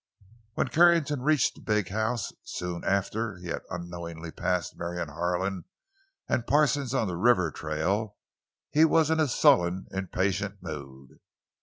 When Carrington reached the big house soon after he had unknowingly passed Marion Harlan and Parsons on the river trail, he was in a sullen, impatient mood.